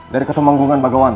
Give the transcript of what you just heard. dari ketumanggungan bagawanto